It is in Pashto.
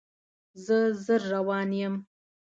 زه ژر روان یم